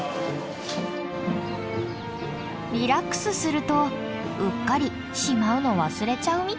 リラックスするとうっかりしまうの忘れちゃうみたい。